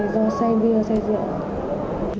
do say bia say rượu